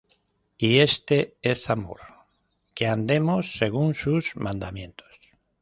Y este es amor, que andemos según sus mandamientos.